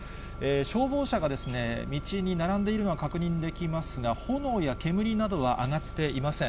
消防車がですね、道に並んでいるのが確認できますが、炎や煙などは上がっていません。